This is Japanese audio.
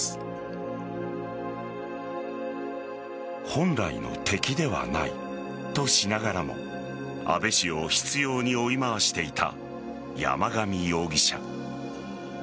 本来の敵ではないとしながらも安倍氏を執拗に追い回していた山上容疑者。